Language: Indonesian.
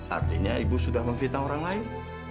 artinya ibu sudah menfita orang lain